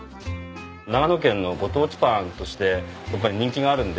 長野県のご当地パンとしてやっぱり人気があるので。